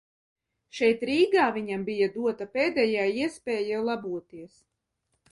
Šeit Rīgā viņam bija dota pēdējā iespēja laboties.